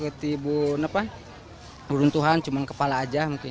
ketibun apa ketibun tuhan cuma kepala aja mungkin